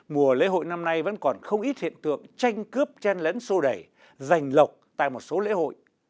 mùa lễ hội năm nay vẫn còn không ít hiện tượng tranh cướp chen lấn sô đẩy giành lộc tại một số lễ hội